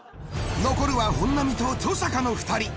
残るは本並と登坂の２人。